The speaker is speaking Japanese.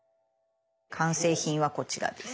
完成品はこちらです！